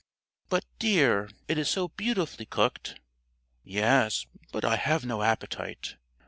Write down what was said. "But, dear, it is so beautifully cooked." "Yes, but I have no appetite."